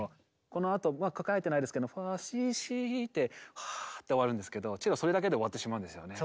このあと書かれてないですけど「ファシシ」ってはぁって終わるんですけどチェロそれだけで終わってしまうんですよね。